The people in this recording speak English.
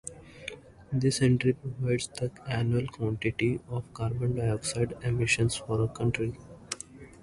This entry provides the annual quantity of carbon dioxide emissions for a country.